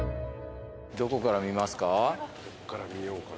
どこから見ますか？